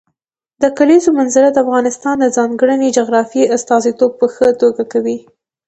د کلیزو منظره د افغانستان د ځانګړي جغرافیې استازیتوب په ښه توګه کوي.